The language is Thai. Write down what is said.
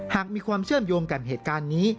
หากมีความเชื่อมโยงกับเหตุการณ์นี้